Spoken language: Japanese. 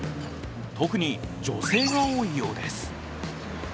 特に女性が多いようです。